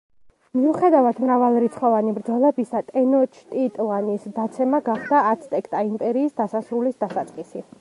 მიუხედავად მრავალრიცხოვანი ბრძოლებისა, ტენოჩტიტლანის დაცემა გახდა აცტეკთა იმპერიის დასასრულის დასაწყისი.